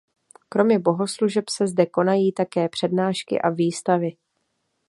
Kromě bohoslužeb se zde konají také přednášky a výstavy.